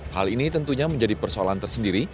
hal ini tentunya menjadi persoalan tersendiri